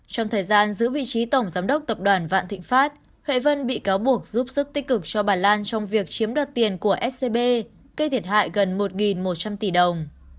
trong thời gian giữ vị trí tổng giám đốc tập đoàn vạn thịnh pháp huệ vân bị cáo buộc giúp sức tích cực cho bà lan trong việc chiếm đoạt tiền của scb gây thiệt hại gần một một trăm linh tỷ đồng